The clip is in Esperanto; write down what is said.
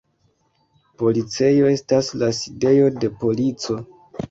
Policejo estas la sidejo de polico.